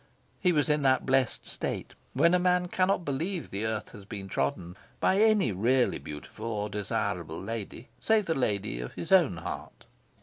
He was in that blest state when a man cannot believe the earth has been trodden by any really beautiful or desirable lady save the lady of his own heart.